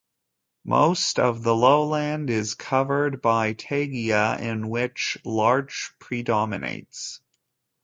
Most of the lowland is covered by taiga in which larch predominates.